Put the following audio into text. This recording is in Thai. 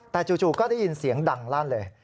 แต่จู่ก็ได้ยินเสียงดังลั่นเลย